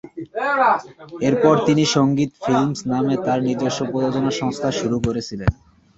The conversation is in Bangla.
এরপর তিনি সংগীত ফিল্মস নামে তাঁর নিজস্ব প্রযোজনা সংস্থা শুরু করেছিলেন।